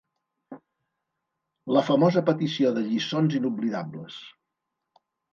La famosa petició de Lliçons inoblidables!